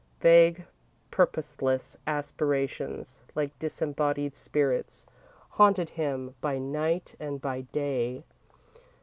Vague, purposeless aspirations, like disembodied spirits, haunted him by night and by day.